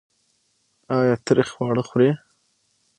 ایا تریخ خواړه خورئ؟